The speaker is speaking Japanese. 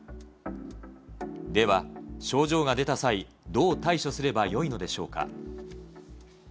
では、症状が出た際、どう対処すればよいのでしょうか。